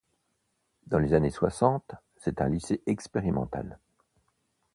Dans les années soixante, c'est un lycée expérimental.